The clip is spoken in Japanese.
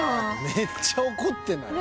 「めっちゃ怒ってない？」